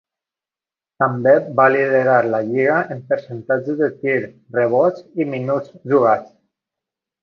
També va liderar la lliga en percentatge de tir, rebots i minuts jugats.